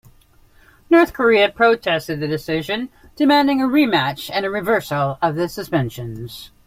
North Korea protested the decision, demanding a rematch and a reversal of the suspensions.